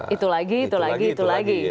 itu lagi itu lagi itu lagi